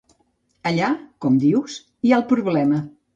Allà, com dius, hi ha el problema.